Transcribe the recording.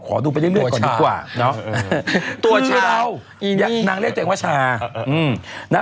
ดูไปเรื่อยก่อนดีกว่าเนาะตัวเชลาวนางเรียกตัวเองว่าชา